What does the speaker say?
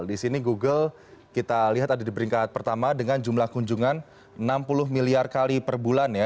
di sini google kita lihat ada di peringkat pertama dengan jumlah kunjungan enam puluh miliar kali per bulan ya